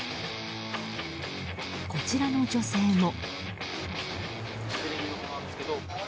こちらの女性も。